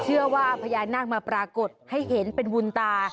เชื่อว่าพญานาคมาปรากฏให้เห็นเป็นบุญตา